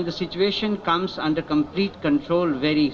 dan situasi ini akan mendatangkan kontrol segera